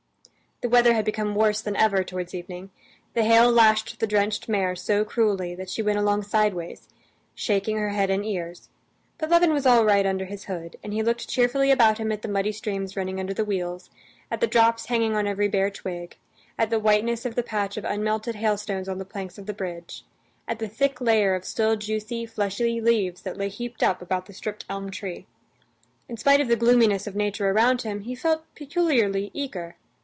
The weather had become worse than ever towards evening; the hail lashed the drenched mare so cruelly that she went along sideways, shaking her head and ears; but Levin was all right under his hood, and he looked cheerfully about him at the muddy streams running under the wheels, at the drops hanging on every bare twig, at the whiteness of the patch of unmelted hailstones on the planks of the bridge, at the thick layer of still juicy, fleshy leaves that lay heaped up about the stripped elm tree. In spite of the gloominess of nature around him, he felt peculiarly eager.